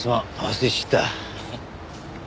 忘れちった。